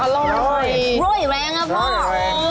อร่อยอร่อยแรงครับพ่อโอ้โฮ